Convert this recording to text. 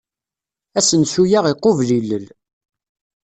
Asensu-a iqubel ilel.